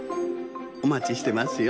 おまちしてますよ。